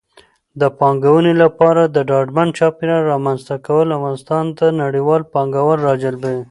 د پانګونې لپاره د ډاډمن چاپېریال رامنځته کول افغانستان ته نړیوال پانګوال راجلبوي.